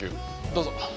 どうぞ。